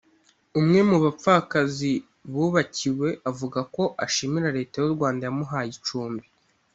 umwe mu bapfakazi bubakiwe avuga ko ashimira Leta y’u Rwanda yamuhaye icumbi